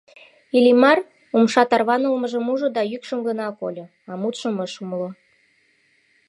Иллимар умша тарванылмыжым ужо да йӱкшым гына кольо, а мутшым ыш умыло.